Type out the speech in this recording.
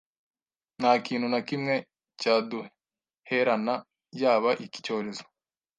nta kintu na kimwe cyaduherana yaba iki cyorezo